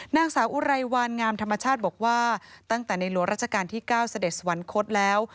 นางสาวอุไรวันงามธรรมชาติบอกว่าตั้งแต่ในหลวงราชการที่๙เสด็จสวรรคตแล้ว